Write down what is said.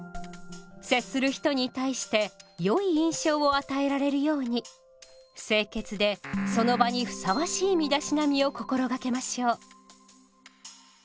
接する人に対してよい印象を与えられるように清潔でその場にふさわしい身だしなみを心がけましょう。